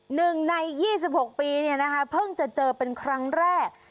หนึ่งใน๒๖ปีเนี่ยนะคะเพิ่งจะเจอเป็นครั้งแรก